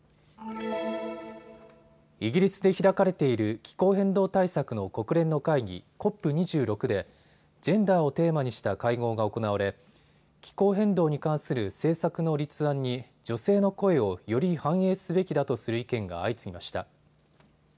イギリスで開かれている気候変動対策の国連の会議、ＣＯＰ２６でジェンダーをテーマにした会合が行われ気候変動に関する政策の立案に女性の声をより反映すべきだとする意見が相次ぎました。